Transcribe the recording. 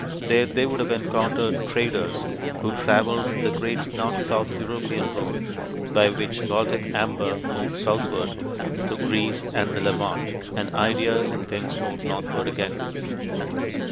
There they would have encountered traders who traveled the great north south European road, by which Baltic amber moved southward to Greece and the Levant, and ideas and things moved northward again.